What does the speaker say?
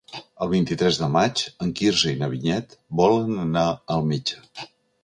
El vint-i-tres de maig en Quirze i na Vinyet volen anar al metge.